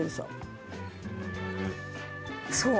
そう。